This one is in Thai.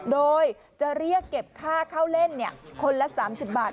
โดยจะเรียกเก็บค่าเข้าเล่นคนละ๓๐บาท